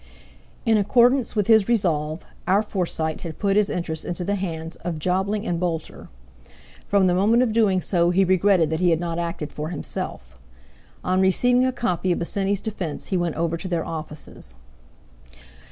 In accordance with his resolve, our Forsyte had put his interests into the hands of Jobling and Boulter. From the moment of doing so he regretted that he had not acted for himself. On receiving a copy of Bosinney's defence he went over to their offices.